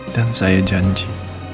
dan saya janji